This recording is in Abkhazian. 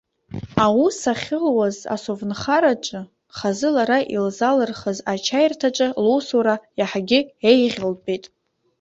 Аус ахьылуаз, асовнхараҿы, хазы лара илзалырхыз ачаирҭаҿы, лусура иаҳагьы еиӷьылтәит.